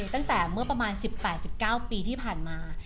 ตั้งแต่เมื่อประมาณ๑๘๑๙ปีที่ผ่านมา